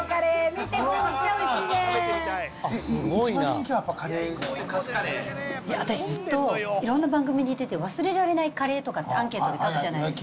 見て、これ、一番人気は、やっぱりカレー？いや、私ずっと、いろんな番組に出て、忘れられないカレーとかってアンケートであるじゃないですか。